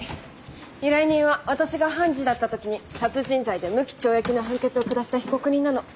依頼人は私が判事だった時に殺人罪で無期懲役の判決を下した被告人なの。